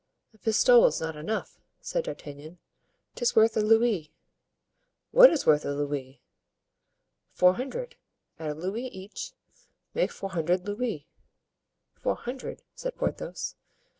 "A pistole is not enough," said D'Artagnan, "'tis worth a louis." "What is worth a louis?" "Four hundred, at a louis each, make four hundred louis." "Four hundred?" said Porthos.